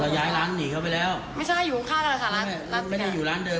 ย้ายร้านหนีเข้าไปแล้วไม่ใช่อยู่ข้างเราค่ะร้านไม่ได้อยู่ร้านเดิ